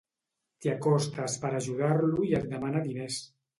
T'hi acostes per ajudar-lo i et demana diners